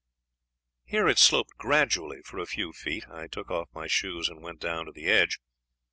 Here it sloped gradually for a few feet. I took off my shoes and went down to the edge.